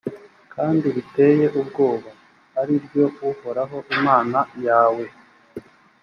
kandi riteye ubwoba, ari ryo «uhoraho imana yawe»,